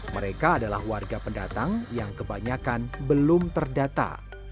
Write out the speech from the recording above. mereka adalah warga pendatang yang kebanyakan belum terdata